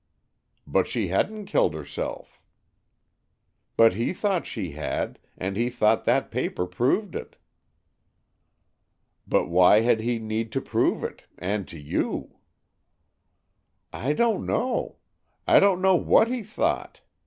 "But she hadn't killed herself." "But he thought she had, and he thought that paper proved it." "But why had he need to prove it, and to you?" "I don't know. I don't know what he thought!